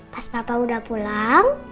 pas papa udah pulang